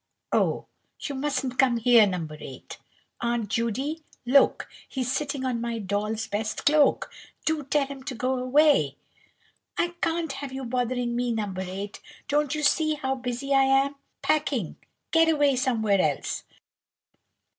"Oh, you mustn't come here, No. 8. Aunt Judy, look! he's sitting on my doll's best cloak. Do tell him to go away." "I can't have you bothering me, No. 8; don't you see how busy I am, packing? Get away somewhere else."